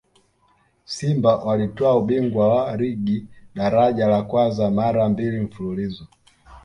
simba walitwaa ubingwa wa ligi daraja la kwanza mara mbili mfululizo